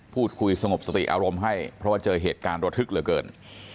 พูดคุยสงบสติอารมณ์ให้เพราะว่าเจอเหตุการณ์ระทึกเหลือเกิน